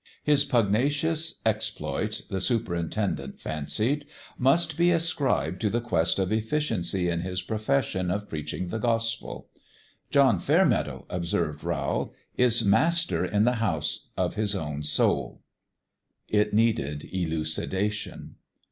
His pugnacious exploits (the superintendent fancied) must be ascribed to the quest of effi ciency in his profession of preaching the Gospel. " John Fairmeadow," observed Rowl, " is mas ter in the house of his own soul." It needed elucidation.